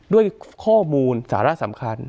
ด้วยข้อมูลสาระสำคัญ